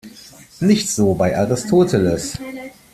Nicht so bei Aristoteles.